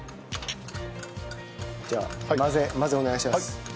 じゃあ混ぜ混ぜお願いします。